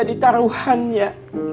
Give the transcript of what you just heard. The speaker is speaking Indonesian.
kredibilitas balkan jadi taruhannya